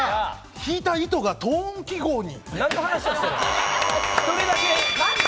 引いた糸がト音記号に。